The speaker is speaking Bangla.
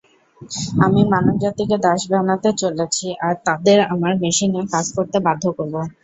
আমি মানবজাতিকে দাস বানাতে চলেছি আর তাদের আমার মেশিনে কাজ করতে বাধ্য করব।